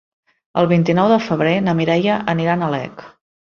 El vint-i-nou de febrer na Mireia anirà a Nalec.